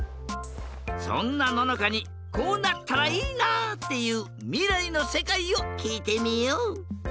そんなののかにこうなったらいいなっていうみらいのせかいをきいてみよう！